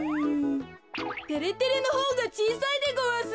てれてれのほうがちいさいでごわす。